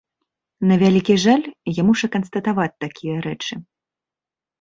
На вялікі жаль, я мушу канстатаваць такія рэчы.